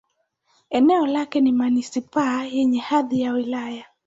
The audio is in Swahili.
Eneo lake ni manisipaa yenye hadhi ya wilaya.